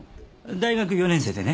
大学４年生でね